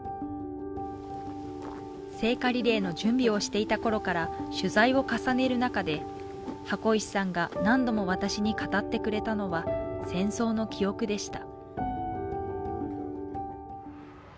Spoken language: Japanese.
聖火リレーの準備をしていたころから取材を重ねる中で箱石さんが何度も私に語ってくれたのは戦争の記憶でした。